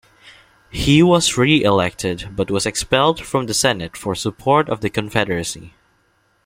He was reelected but was expelled from the Senate for support of the Confederacy.